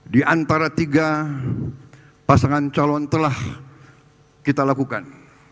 di antara tiga pasangan calon telah kita lakukan